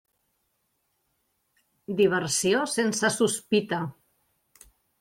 Diversió sense sospita.